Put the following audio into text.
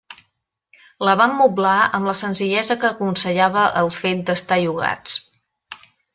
La vam moblar amb la senzillesa que aconsellava el fet d'estar llogats.